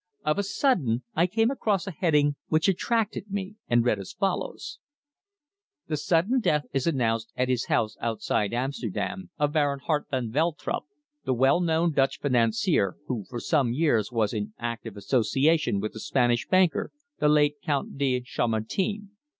Of a sudden I came across a heading which attracted me, and read as follows: "The sudden death is announced, at his house outside Amsterdam, of Baron Harte van Veltrup, the well known Dutch financier, who for some years was in active association with the Spanish banker, the late Count de Chamartin.